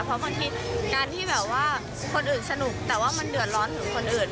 เพราะบางทีการที่แบบว่าคนอื่นสนุกแต่ว่ามันเดือดร้อนถึงคนอื่น